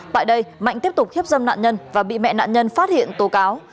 tại đây mạnh tiếp tục hiếp dâm nạn nhân và bị mẹ nạn nhân phát hiện tố cáo